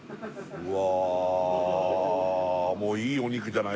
うわ